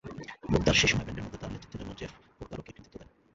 লুকদার সেই সময়ে ব্যান্ডের মধ্যে তার নেতৃত্বের জন্য জেফ পোরকারোকে কৃতিত্ব দেন।